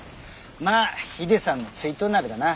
まあヒデさんの追悼鍋だな。